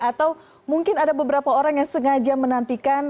atau mungkin ada beberapa orang yang sengaja menantikan